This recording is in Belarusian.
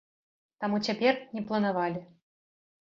Таму цяпер не планавалі.